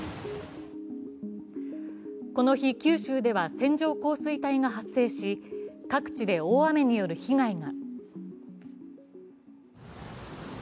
この日、九州では線状降水帯が発生し各地で大雨による被害が。